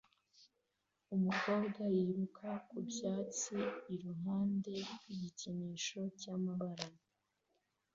Umukobwa yiruka ku byatsi iruhande rw igikinisho cyamabara